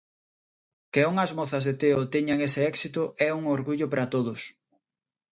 Que unhas mozas de Teo teñan ese éxito é un orgullo para todos.